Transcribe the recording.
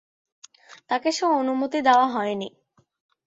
তাকে সে অনুমতি দেয়া হয় নি।